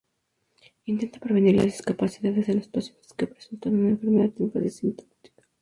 Intenta prevenir las discapacidades en los pacientes que presentan una enfermedad en fase sintomática.